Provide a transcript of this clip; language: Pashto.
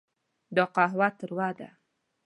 دا قهوه تروه ده.